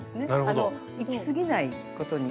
あのいきすぎないことに。